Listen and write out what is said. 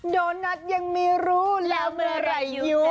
โดนัทยังไม่รู้แล้วเมื่อไหร่อยู่